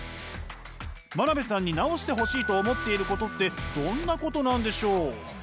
真鍋さんに直してほしいと思っていることってどんなことなんでしょう？